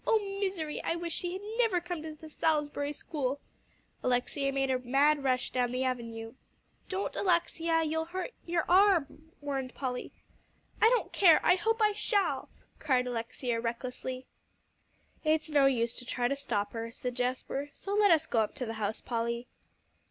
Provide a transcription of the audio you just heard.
Oh misery! I wish she never had come to the Salisbury School." Alexia made a mad rush down the avenue. "Don't, Alexia, you'll hurt your arm," warned Polly. "I don't care I hope I shall," cried Alexia recklessly. "It's no use to try to stop her," said Jasper, "so let us go up to the house, Polly."